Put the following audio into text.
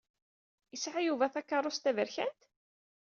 Isɛa Yuba takerrust taberkant?